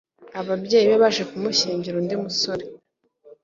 Ababyeyi be baje kumushyingira undi musore